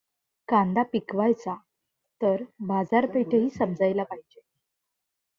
कांदा पिकवायचा तर बाजारपेठही समजायला पाहिजे.